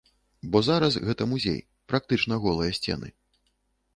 Бо зараз гэта музей, практычна голыя сцены.